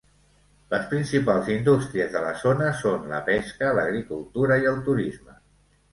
Les principals indústries de la zona són la pesca, l'agricultura i el turisme.